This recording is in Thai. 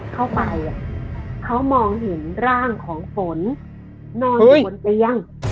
เข้าไปเขามองเห็นร่างของฝนนอนอยู่บนเตียง